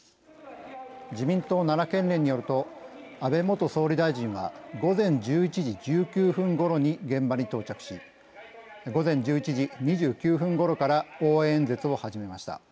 自民党奈良県連によると安倍元総理大臣は午前１１時１９分ごろに現場に到着し午前１１時２９分ごろから応援演説を始めました。